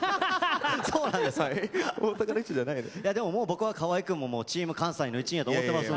いやでももう僕は河合くんもチーム関西の一員やと思ってます。